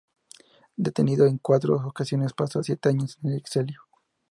Detenido en cuatro ocasiones, pasó siete años en el exilio.